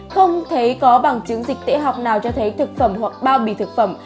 không thấy có bằng chứng dịch tễ học nào cho thấy thực phẩm hoặc bao bì thực phẩm